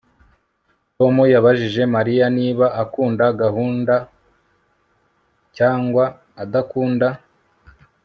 Tom yabajije Mariya niba akunda gahunda cyangwa adakunda